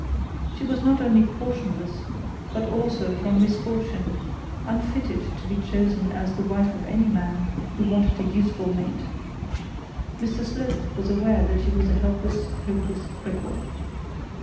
She was not only portionless, but also from misfortune unfitted to be chosen as the wife of any man who wanted a useful mate. Mr Slope was aware that she was a helpless hopeless cripple.